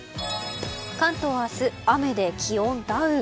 関東は明日、雨で気温ダウン。